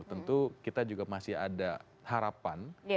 tentu kita juga masih ada harapan